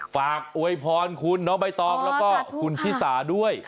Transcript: ฝากอวยพรคุณน้องใบตองแล้วก็คุณชิสาด้วย